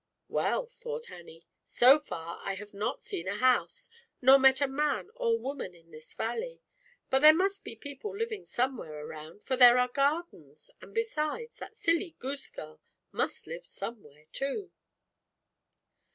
"Well, thought Annie, so far I have not seen a house, nor met a man or woman in this valley, but there must be people living some where around, for there are gardens, and besides, that silly goose girl must live somewhere, too."